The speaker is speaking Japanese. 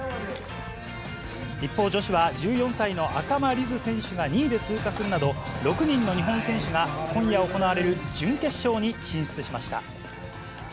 一方、女子は１４歳の赤間りず選手が２位で通過するなど、６人の日本選手が今夜行われる準決勝に進出しました。